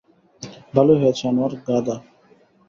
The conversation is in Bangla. ভালই হয়েছে আনোয়ার, গাধা।